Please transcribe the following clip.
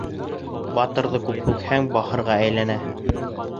Батырҙы күп һүкһәң, бахырға әйләнә.